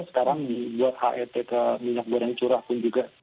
sekarang dibuat het ke minyak goreng curah pun juga